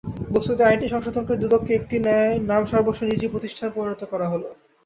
বস্তুত আইনটি সংশোধন করে দুদককে একটি নামসর্বস্ব নির্জীব প্রতিষ্ঠানে পরিণত করা হলো।